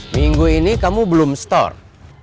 minggu ini kamu belum store